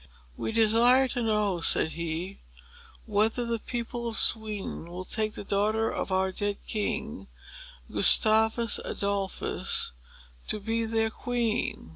"We desire to know," said he, "whether the people of Sweden will take the daughter of our dead king, Gustavus Adolphus, to be their Queen."